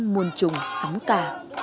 muôn trùng sống cả